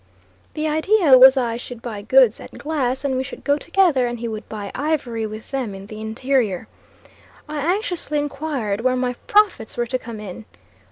The idea was I should buy goods at Glass and we should go together and he would buy ivory with them in the interior. I anxiously inquired where my profits were to come in.